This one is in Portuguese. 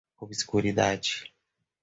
obscuridade